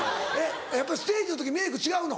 やっぱりステージの時メイク違うの？